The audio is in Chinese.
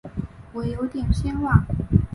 我有点心软